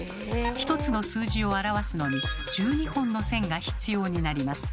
１つの数字を表すのに１２本の線が必要になります。